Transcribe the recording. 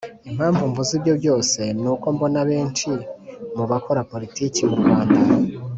impamvu mvuze ibyo byose ni uko mbona benshi mubakora politiki mu rwanda,